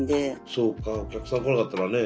そうかお客さん来なかったらね。